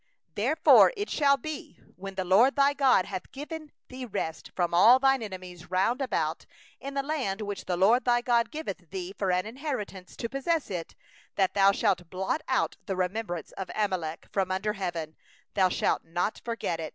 19Therefore it shall be, when the LORD thy God hath given thee rest from all thine enemies round about, in the land which the LORD thy God giveth thee for an inheritance to possess it, that thou shalt blot out the remembrance of Amalek from under heaven; thou shalt not forget.